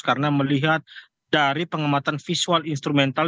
karena melihat dari pengamatan visual instrumental